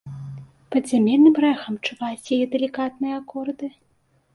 Падзямельным рэхам чуваць яе далікатныя акорды.